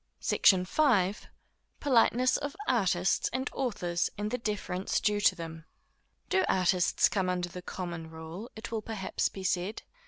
SECTION V. Politeness of Artists and Authors, and the Deference due to them. Do artists come under the common rule, it will perhaps be said?